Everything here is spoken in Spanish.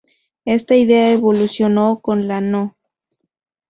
Esta idea evolucionó con la No.